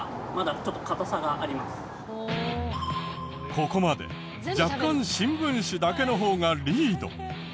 ここまで若干新聞紙だけの方がリード。